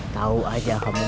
tau aja kamu bang